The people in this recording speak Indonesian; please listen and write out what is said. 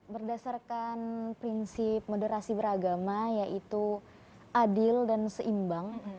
berdasarkan prinsip moderasi beragama yaitu adil dan seimbang